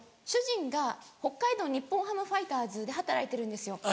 主人が北海道日本ハムファイターズで働いてるんですよ。